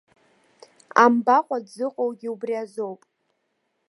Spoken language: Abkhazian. Амбакәа дзыҟоугьы убриазоуп.